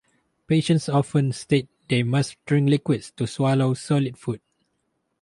Patients often state they must drink liquids to swallow solid food.